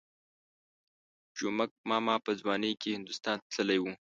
جومک ماما په ځوانۍ کې هندوستان ته تللی وو.